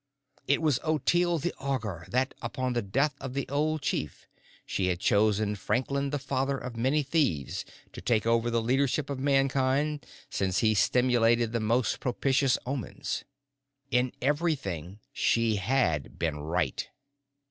It was as Ottilie the Augur that, upon the death of the old chief, she had chosen Franklin the Father of Many Thieves to take over the leadership of Mankind since he stimulated the most propitious omens. In everything she had been right.